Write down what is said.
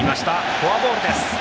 フォアボールです。